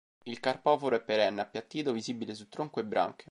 Il carpoforo è perenne, appiattito, visibile su tronco e branche.